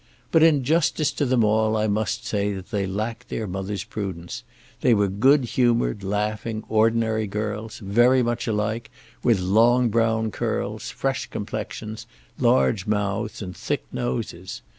But in justice to them all I must say that they lacked their mother's prudence. They were good humoured, laughing, ordinary girls, very much alike, with long brown curls, fresh complexions, large mouths, and thick noses.